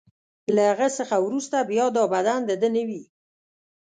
له هغه څخه وروسته بیا دا بدن د ده نه وي.